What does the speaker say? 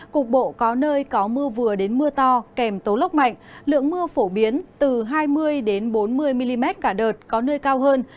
cục bộ có nơi có mưa vừa đến mưa to kèm tố lốc mạnh lượng mưa phổ biến từ hai mươi bốn mươi mm cả đợt có nơi cao hơn